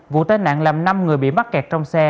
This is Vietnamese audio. vụ tai nạn làm năm người bị mắc kẹt trong xe